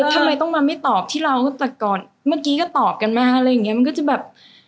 ทำไมต้องมาไม่ตอบที่เราตั้งแต่ก่อนเมื่อกี้ก็ตอบกันมาอะไรอย่างเงี้มันก็จะแบบ